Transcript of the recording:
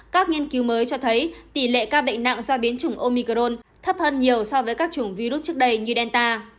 các nghiên cứu mới cho thấy tỷ lệ ca bệnh nặng do biến chủng omicrone thấp hơn nhiều so với các chủng virus trước đây như delta